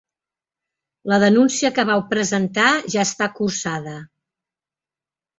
La denúncia que vau presentar ja està cursada.